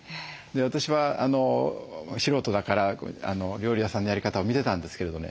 私は素人だから料理屋さんのやり方を見てたんですけれどね。